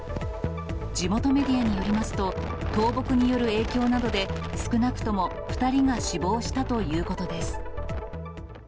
地元メディアによりますと、倒木による影響などで、少なくとも２人が死亡したということです。